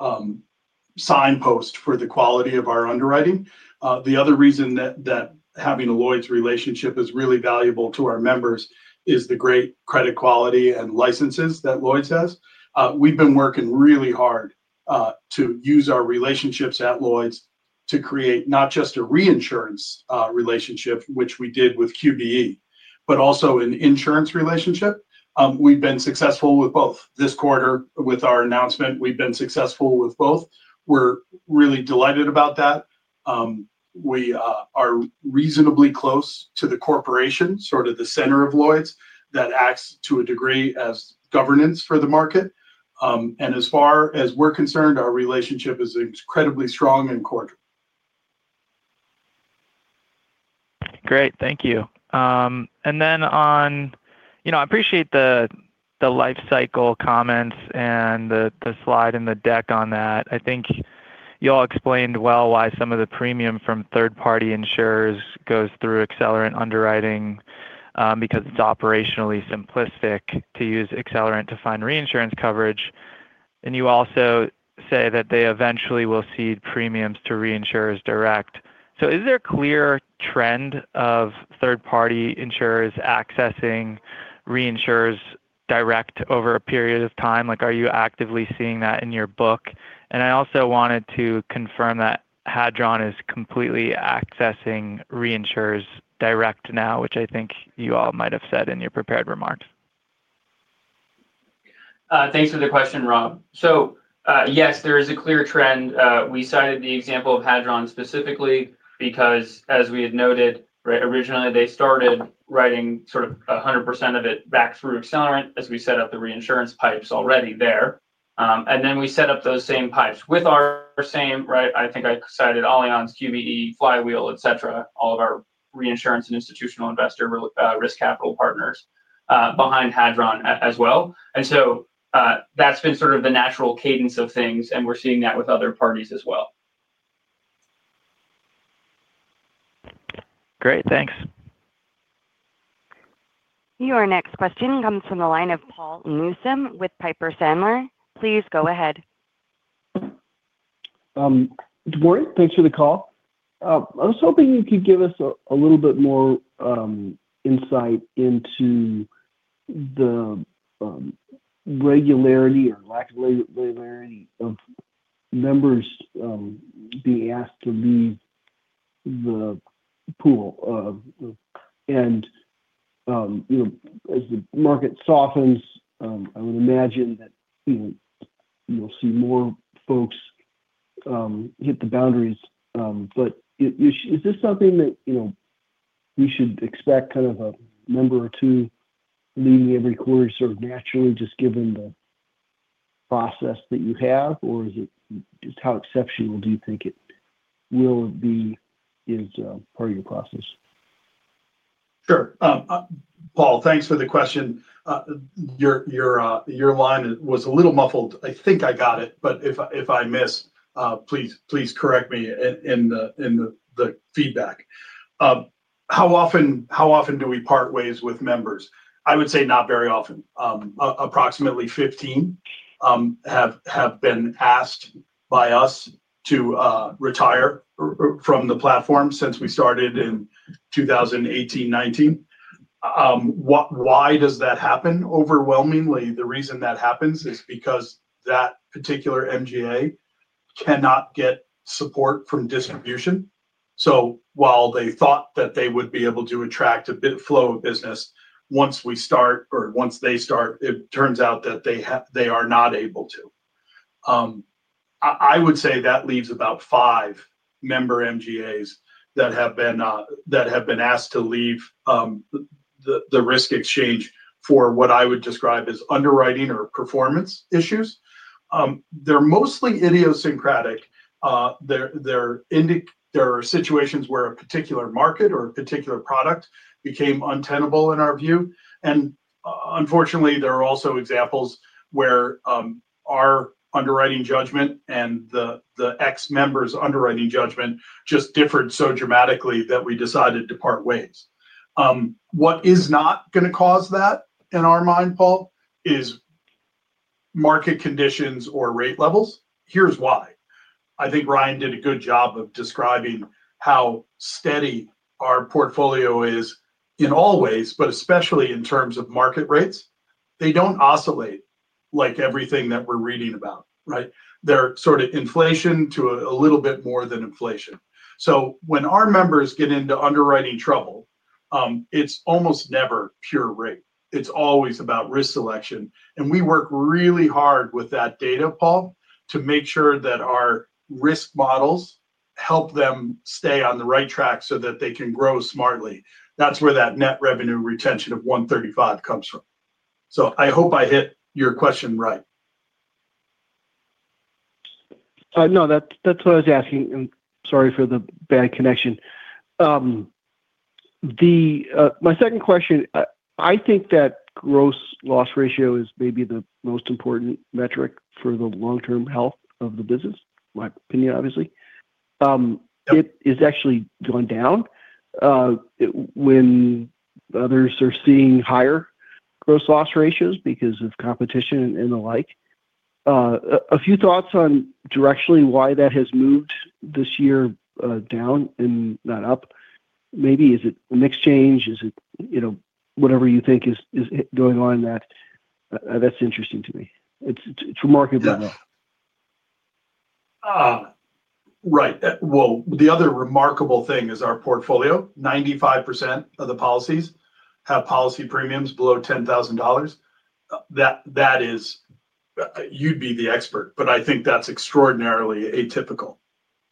signpost for the quality of our underwriting. The other reason that having a Lloyd's relationship is really valuable to our members is the great credit quality and licenses that Lloyd's has. We've been working really hard to use our relationships at Lloyd's to create not just a reinsurance relationship, which we did with QBE, but also an insurance relationship. We've been successful with both. This quarter, with our announcement, we've been successful with both. We're really delighted about that. We are reasonably close to the corporation, sort of the center of Lloyd's that acts to a degree as governance for the market. As far as we're concerned, our relationship is incredibly strong and cordial. Great. Thank you. I appreciate the lifecycle comments and the slide and the deck on that. I think you all explained well why some of the premium from third-party insurers goes through Accelerant underwriting because it's operationally simplistic to use Accelerant to find reinsurance coverage. You also say that they eventually will see premiums to reinsurers direct. Is there a clear trend of third-party insurers accessing reinsurers direct over a period of time? Are you actively seeing that in your book? I also wanted to confirm that Hadron is completely accessing reinsurers direct now, which I think you all might have said in your prepared remarks. Thanks for the question, Rob. Yes, there is a clear trend. We cited the example of Hadron specifically because, as we had noted, originally they started writing sort of 100% of it back through Accelerant as we set up the reinsurance pipes already there. Then we set up those same pipes with our same, right? I think I cited Allianz, QBE, Flywheel, etc., all of our reinsurance and institutional investor risk capital partners behind Hadron as well. That has been sort of the natural cadence of things, and we are seeing that with other parties as well. Great. Thanks. Your next question comes from the line of Paul Newsom with Piper Sandler. Please go ahead. Good morning. Thanks for the call. I was hoping you could give us a little bit more insight into the regularity or lack of regularity of members being asked to leave the pool. As the market softens, I would imagine that you'll see more folks hit the boundaries. Is this something that we should expect, kind of a member or two leaving every quarter, sort of naturally just given the process that you have, or is it just how exceptional do you think it will be as part of your process? Sure. Paul, thanks for the question. Your line was a little muffled. I think I got it, but if I miss, please correct me in the feedback. How often do we part ways with members? I would say not very often. Approximately 15 have been asked by us to retire from the platform since we started in 2018, 2019. Why does that happen? Overwhelmingly, the reason that happens is because that particular MGA cannot get support from distribution. While they thought that they would be able to attract a big flow of business, once we start or once they start, it turns out that they are not able to. I would say that leaves about five member MGAs that have been asked to leave the risk exchange for what I would describe as underwriting or performance issues. \They are mostly idiosyncratic. There are situations where a particular market or a particular product became untenable in our view. Unfortunately, there are also examples where our underwriting judgment and the ex-members' underwriting judgment just differed so dramatically that we decided to part ways. What is not going to cause that in our mind, Paul, is market conditions or rate levels. Here is why. I think Ryan did a good job of describing how steady our portfolio is in all ways, but especially in terms of market rates. They do not oscillate like everything that we are reading about, right? They are sort of inflation to a little bit more than inflation. When our members get into underwriting trouble, it is almost never pure rate. It is always about risk selection. We work really hard with that data, Paul, to make sure that our risk models help them stay on the right track so that they can grow smartly. That is where that net revenue retention of 135% comes from. I hope I hit your question right. No, that is what I was asking. Sorry for the bad connection. My second question, I think that gross loss ratio is maybe the most important metric for the long-term health of the business, my opinion, obviously. It has actually gone down when others are seeing higher gross loss ratios because of competition and the like. A few thoughts on directionally why that has moved this year down and not up. Maybe is it mix change? Is it whatever you think is going on that's interesting to me? It's remarkable. Right. The other remarkable thing is our portfolio. 95% of the policies have policy premiums below $10,000. That is, you'd be the expert, but I think that's extraordinarily atypical,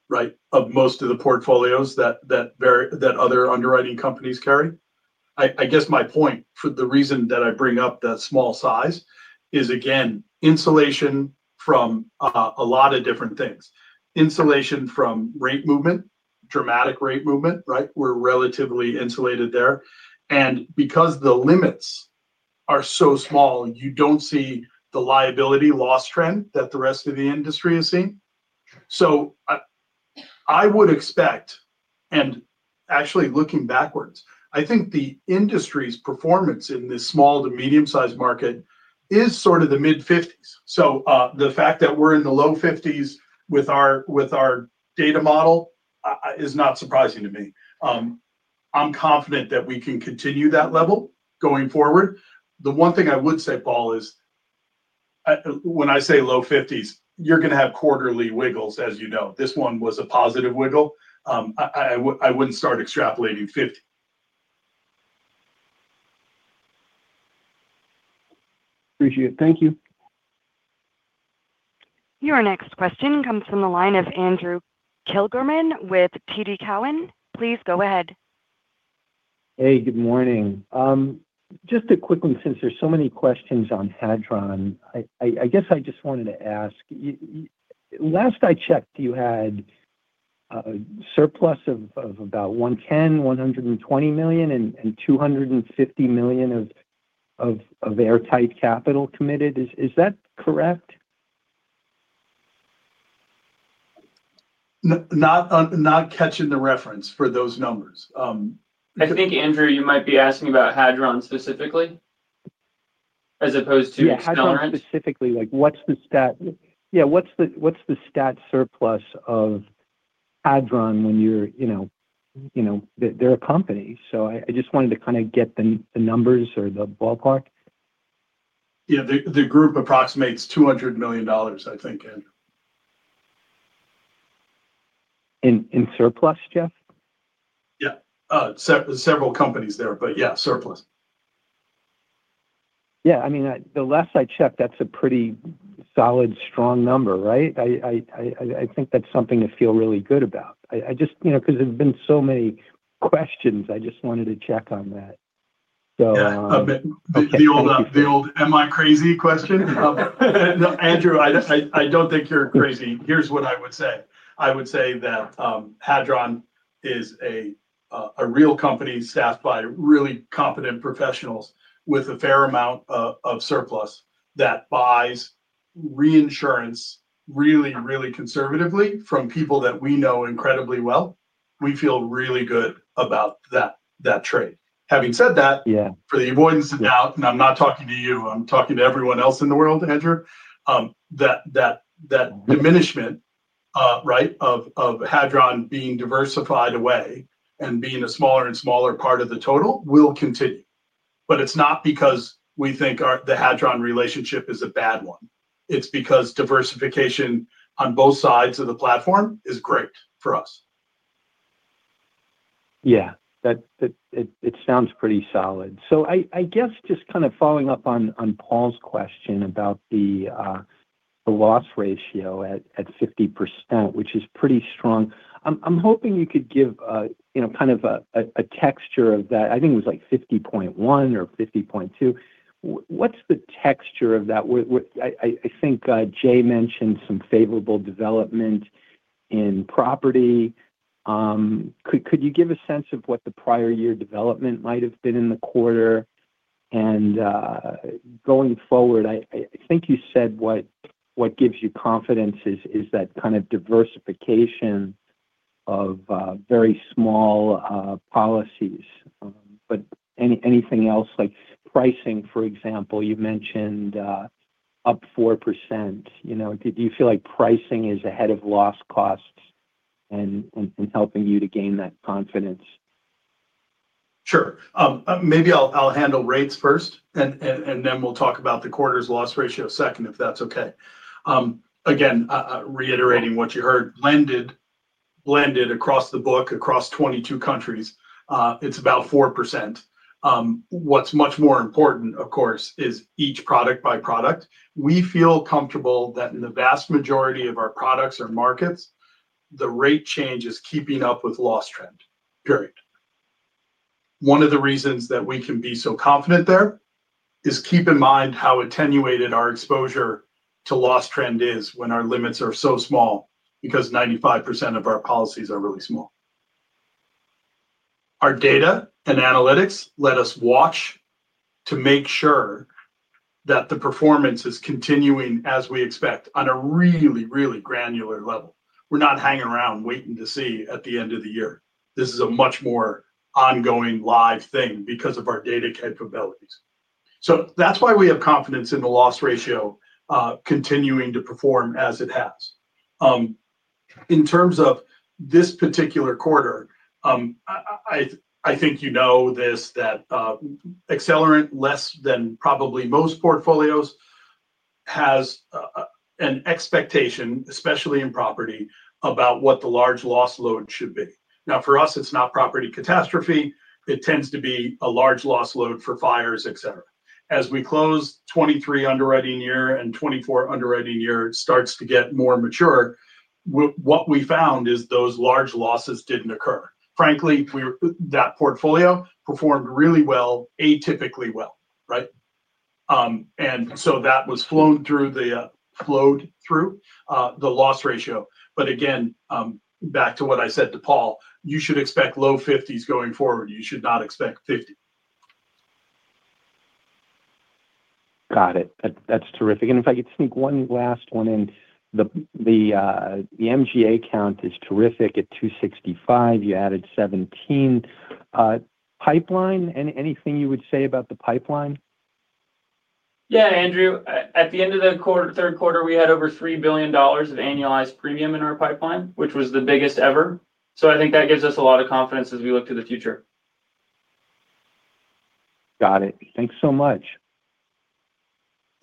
right, of most of the portfolios that other underwriting companies carry. I guess my point for the reason that I bring up that small size is, again, insulation from a lot of different things. Insulation from rate movement, dramatic rate movement, right? We're relatively insulated there. Because the limits are so small, you don't see the liability loss trend that the rest of the industry is seeing. I would expect, and actually looking backwards, I think the industry's performance in this small to medium-sized market is sort of the mid-50s. The fact that we're in the low 50s with our data model is not surprising to me. I'm confident that we can continue that level going forward. The one thing I would say, Paul, is when I say low 50s, you're going to have quarterly wiggles, as you know. This one was a positive wiggle. I wouldn't start extrapolating 50. Appreciate it. Thank you. Your next question comes from the line of Andrew Kligerman with TD Cowen. Please go ahead. Hey, good morning. Just a quick one, since there's so many questions on Hadron, I guess I just wanted to ask. Last I checked, you had a surplus of about $110 million-$120 million, and $250 million of airtight capital committed. Is that correct? Not catching the reference for those numbers. I think, Andrew, you might be asking about Hadron specifically as opposed to Accelerant. Yeah, not specifically. What's the stat? Yeah, what's the stat surplus of Hadron when you're they're a company. So I just wanted to kind of get the numbers or the ballpark. Yeah, the group approximates $200 million, I think, Andrew. In surplus, Jeff? Yeah. Several companies there, but yeah, surplus. Yeah. I mean, the last I checked, that's a pretty solid, strong number, right? I think that's something to feel really good about. Because there have been so many questions, I just wanted to check on that. Yeah. The old, "Am I crazy?" question. Andrew, I don't think you're crazy. Here's what I would say. I would say that Hadron is a real company staffed by really competent professionals with a fair amount of surplus that buys reinsurance really, really conservatively from people that we know incredibly well. We feel really good about that trade. Having said that, for the avoidance of doubt, and I'm not talking to you, I'm talking to everyone else in the world, Andrew, that diminishment, right, of Hadron being diversified away and being a smaller and smaller part of the total will continue. It is not because we think the Hadron relationship is a bad one. It is because diversification on both sides of the platform is great for us. Yeah. It sounds pretty solid. I guess just kind of following up on Paul's question about the loss ratio at 50%, which is pretty strong. I'm hoping you could give kind of a texture of that. I think it was like 50.1 or 50.2. What's the texture of that? I think Jay mentioned some favorable development in property. Could you give a sense of what the prior year development might have been in the quarter? Going forward, I think you said what gives you confidence is that kind of diversification of very small policies. Anything else, like pricing, for example, you mentioned up 4%. Do you feel like pricing is ahead of loss costs and helping you to gain that confidence? Sure. Maybe I'll handle rates first, and then we'll talk about the quarter's loss ratio second, if that's okay. Again, reiterating what you heard, blended across the book, across 22 countries, it's about 4%. What's much more important, of course, is each product by product. We feel comfortable that in the vast majority of our products or markets, the rate change is keeping up with loss trend, period. One of the reasons that we can be so confident there is keep in mind how attenuated our exposure to loss trend is when our limits are so small because 95% of our policies are really small. Our data and analytics let us watch to make sure that the performance is continuing as we expect on a really, really granular level. We're not hanging around waiting to see at the end of the year. This is a much more ongoing live thing because of our data capabilities. That is why we have confidence in the loss ratio continuing to perform as it has. In terms of this particular quarter, I think you know this, that Accelerant, less than probably most portfolios, has an expectation, especially in property, about what the large loss load should be. Now, for us, it is not property catastrophe. It tends to be a large loss load for fires, etc. As we close 2023 underwriting year and 2024 underwriting year starts to get more mature, what we found is those large losses did not occur. Frankly, that portfolio performed really well, atypically well, right? That was flown through the loss ratio. Again, back to what I said to Paul, you should expect low 50s going forward. You should not expect 50. Got it. That is terrific. If I could sneak one last one in, the MGA count is terrific at 265. You added 17. Pipeline, anything you would say about the pipeline? Yeah, Andrew. At the end of the third quarter, we had over $3 billion of annualized premium in our pipeline, which was the biggest ever. I think that gives us a lot of confidence as we look to the future. Got it. Thanks so much.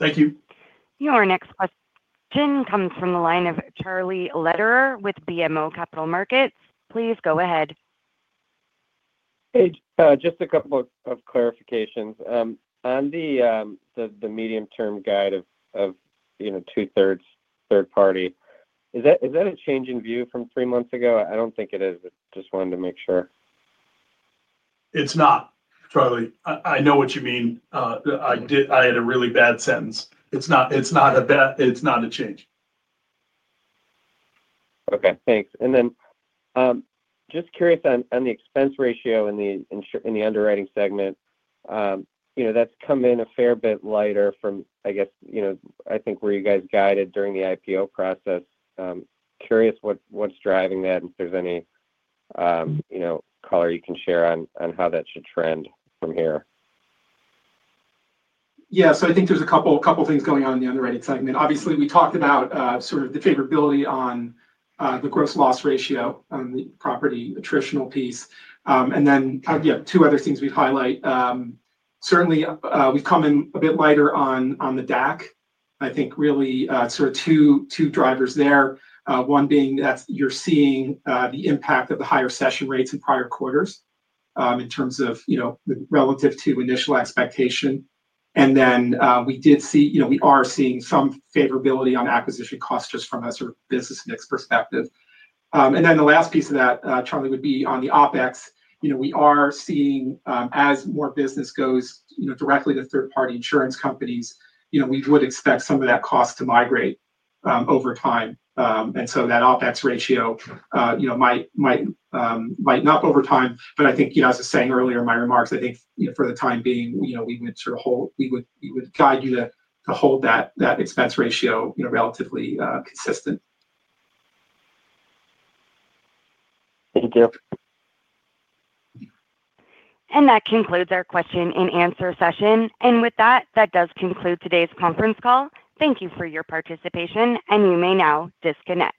Thank you. Your next question comes from the line of Charlie Lederer with BMO Capital Markets. Please go ahead. Just a couple of clarifications. On the medium-term guide of 2/3third party, is that a change in view from three months ago? I do not think it is. Just wanted to make sure. It is not, Charlie. I know what you mean. I had a really bad sentence. It is not a change. Okay. Thanks. Just curious on the expense ratio in the underwriting segment, that has come in a fair bit lighter from, I guess, I think where you guys guided during the IPO process. Curious what's driving that, and if there's any color you can share on how that should trend from here. Yeah. I think there's a couple of things going on in the underwriting segment. Obviously, we talked about sort of the favorability on the gross loss ratio on the property attritional piece. Two other things we'd highlight. Certainly, we've come in a bit lighter on the DAC. I think really sort of two drivers there. One being that you're seeing the impact of the higher session rates in prior quarters in terms of relative to initial expectation. We did see we are seeing some favorability on acquisition costs just from a sort of business mix perspective. The last piece of that, Charlie, would be on the OpEx.We are seeing, as more business goes directly to third-party insurance companies, we would expect some of that cost to migrate over time. That OpEx ratio might not over time, but I think, as I was saying earlier in my remarks, I think for the time being, we would sort of hold, we would guide you to hold that expense ratio relatively consistent. Thank you. That concludes our question and answer session. With that, that does conclude today's conference call. Thank you for your participation, and you may now disconnect.